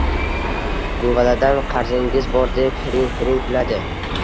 Guvaladan qarzingiz bor deb hiring-hiring kuladi.